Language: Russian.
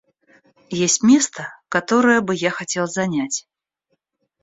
Есть место, которое бы я хотел занять.